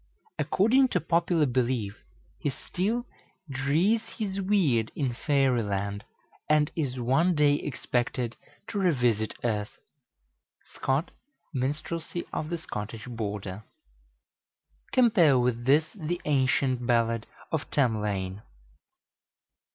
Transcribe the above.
According to popular belief, he still "drees his weird" in Fairy Land, and is one day expected to revisit earth. (Scott, "Minstrelsy of the Scottish Border.") Compare with this the ancient ballad of Tamlane.